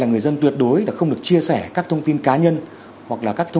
người dân cần luôn luôn cảnh sát